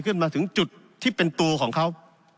ขึ้นมาถึงจุดที่เป็นตัวของเขา